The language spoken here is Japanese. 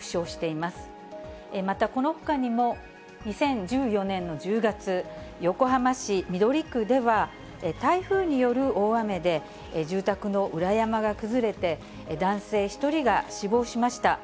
またこのほかにも２０１４年の１０月、横浜市緑区では、台風による大雨で、住宅の裏山が崩れて、男性１人が死亡しました。